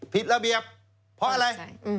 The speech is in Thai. ผิดระเบียบเพราะอะไร